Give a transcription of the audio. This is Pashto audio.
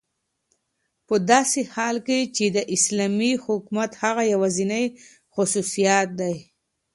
په داسي حال كې چې دا داسلامي حكومت هغه يوازينى خصوصيت دى